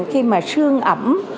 khi mà sương ẩm